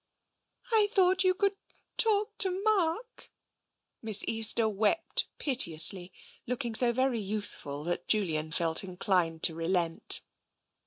" I thought you could talk to Mark." Miss Easter wept piteously, looking so very youthful that Julian felt inclined to relent.